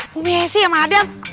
bumi ya sih sama adam